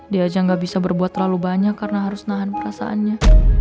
dia aja gak bisa berbuat terlalu banyak karena harus nahan perasaannya